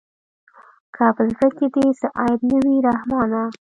که په زړه کښې دې څه عيب نه وي رحمانه.